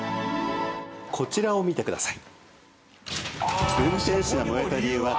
こちらを見てください。